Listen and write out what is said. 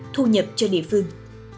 thu nhập cho địa phương